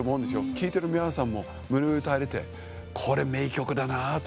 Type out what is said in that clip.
聴いてる皆さんも胸を打たれてこれ名曲だなあと。